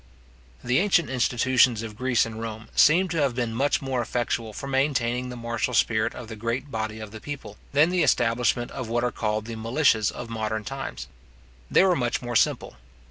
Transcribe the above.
The ancient institutions of Greece and Rome seem to have been much more effectual for maintaining the martial spirit of the great body of the people, than the establishment of what are called the militias of modern times. They were much more simple.